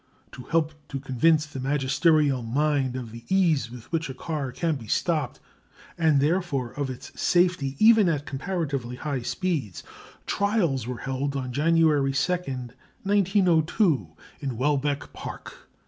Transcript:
To help to convince the magisterial mind of the ease with which a car can be stopped, and therefore of its safety even at comparatively high speeds, trials were held on January 2, 1902, in Welbeck Park.